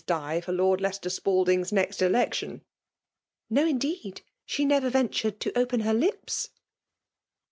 Di for Lord Leieester Spalding's next election.'* '' No' 'jndeed ; she nerer Tentnred to open her lips."